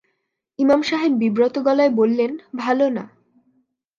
ইমাম সাহেব বিব্রত গলায় বললেন, ভালো না।